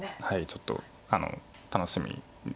ちょっと楽しみです。